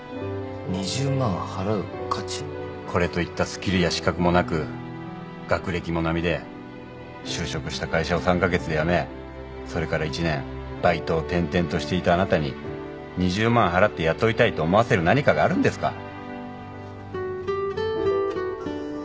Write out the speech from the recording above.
これといったスキルや資格もなく学歴も並で就職した会社を３カ月で辞めそれから１年バイトを転々としていたあなたに２０万払って雇いたいと思わせる何かがあるんですか？